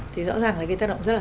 thì rõ ràng là cái tác động